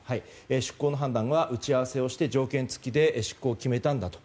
出航の判断は打ち合わせをして条件付きで出航を決めたんだと。